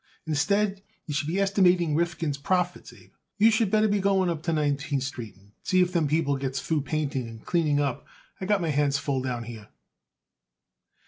Instead you should be estimating Rifkin's profits, Abe, you should better be going up to Nineteenth Street and see if them people gets through painting and cleaning up. I got it my hands full down here."